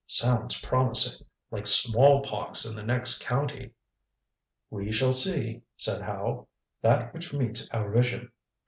Sounds promising like smallpox in the next county." "We shall see," said Howe, "that which meets our vision.